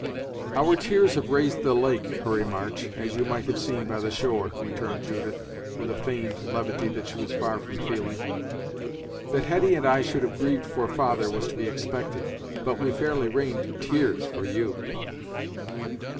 "Our tears have raised the lake, Hurry March, as you might have seen by the shore!" returned Judith, with a feigned levity that she was far from feeling. "That Hetty and I should have grieved for father was to be expected; but we fairly rained tears for you."